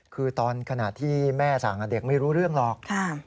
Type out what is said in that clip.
คือตอนขณะที่แม่สั่งเด็กไม่รู้เรื่องหรอก